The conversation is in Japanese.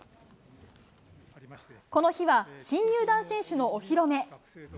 この日は新入団選手のお披露目。